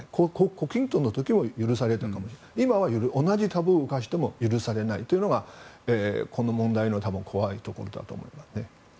胡錦涛の時も許されたかもしれないけど今はそれが許されないというのがこの問題の怖いところだと思います。